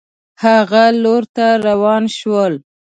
هغه لور ته روان شول.